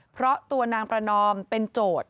เพราะตัวนางประนอมเป็นโจทย์